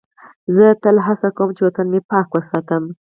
زه تل هڅه کوم چې وطن مې پاک وساتم.